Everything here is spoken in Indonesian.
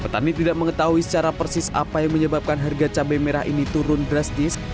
petani tidak mengetahui secara persis apa yang menyebabkan harga cabai merah ini turun drastis